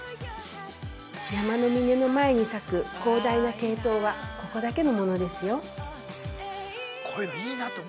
山の峰の前に咲く広大なケイトウはここだけのものですよ。